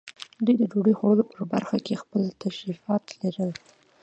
دوی د ډوډۍ خوړلو په برخه کې خپل تشریفات لرل.